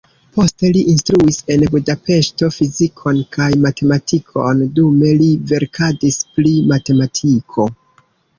Poste li instruis en Budapeŝto fizikon kaj matematikon, dume li verkadis pri matematiko.